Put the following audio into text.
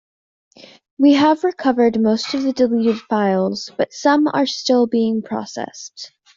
We have recovered most of the deleted files, but some are still being processed.